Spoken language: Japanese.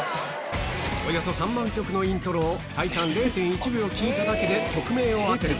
ピンポンイントロを最短 ０．１ 秒聴いただけで曲名を当てる